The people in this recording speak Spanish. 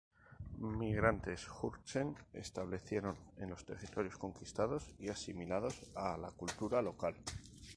Migrantes jurchen establecieron en los territorios conquistados y asimilados a la cultura local.